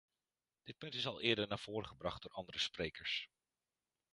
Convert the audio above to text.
Dit punt is al eerder naar voren gebracht door andere sprekers.